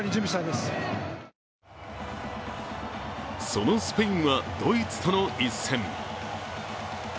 そのスペインはドイツとの一戦。